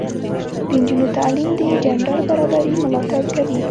د نجونو تعلیم د جنډر برابري ملاتړ کوي.